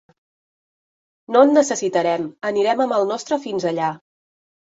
No en necessitarem, anirem amb el nostre fins allà.